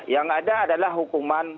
yang ada adalah hukuman